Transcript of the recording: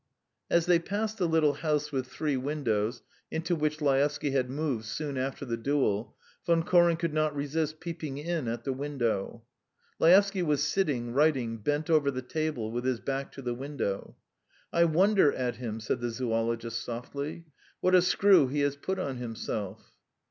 As they passed the little house with three windows, into which Laevsky had moved soon after the duel, Von Koren could not resist peeping in at the window. Laevsky was sitting, writing, bent over the table, with his back to the window. "I wonder at him!" said the zoologist softly. "What a screw he has put on himself!"